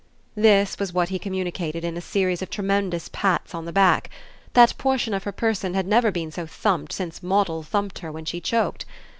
This was what he communicated in a series of tremendous pats on the back; that portion of her person had never been so thumped since Moddle thumped her when she choked.